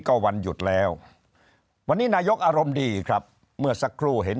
ก็วันหยุดแล้ววันนี้นายกอารมณ์ดีครับเมื่อสักครู่เห็น